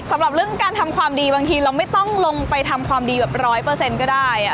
สำหรับเรื่องการทำความดีบางทีเราไม่ต้องลงไปทำความดีแบบร้อยเปอร์เซ็นต์ก็ได้